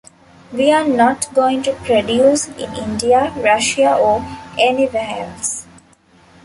We're not going to produce in India, Russia, or anywhere else.